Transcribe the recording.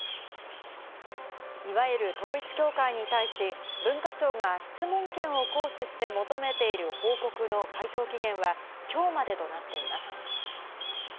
いわゆる統一教会に対し、文化庁が質問権を行使して求めている報告の回答期限は、今日までとなっています。